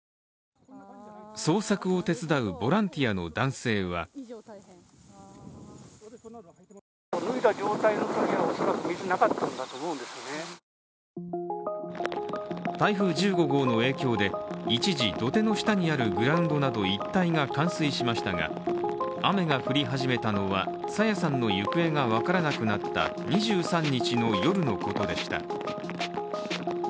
捜索を手伝うボランティアの男性は台風１５号の影響で、一時、土手の下にあるグラウンドなど一帯が冠水しましたが、雨が降り始めたのは、朝芽さんの行方が分からなくなった２３日の夜のことでした